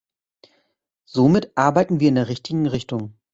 Somit arbeiten wir in der richtigen Richtung.